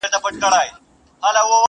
چي رمې به گرځېدلې د مالدارو؛